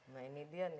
nah ini dia nih